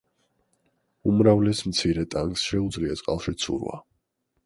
უმრავლეს მცირე ტანკს შეუძლია წყალში ცურვა.